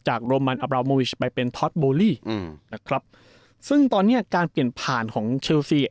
โรมันอับราโมวิชไปเป็นท็อตโบลี่อืมนะครับซึ่งตอนเนี้ยการเปลี่ยนผ่านของเชลซี